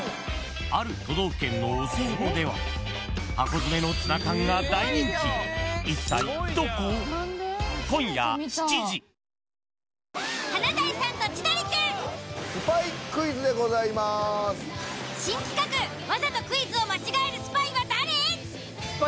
ある都道府県のお歳暮では箱詰めのツナ缶が大人気「華大さんと千鳥くん」。